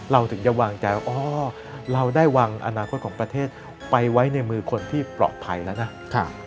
เราถึงจะวางใจว่าอ๋อเราได้วางอนาคตของประเทศไปไว้ในมือคนที่ปลอดภัยแล้วนะ